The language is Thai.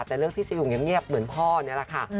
แต่เลือกที่จะอยู่เงียบเหมือนพ่อนี่แหละค่ะ